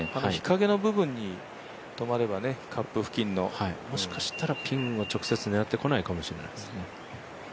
日影の部分に止まれば、もしかしたらピンを直接狙ってこないかもしれないですね。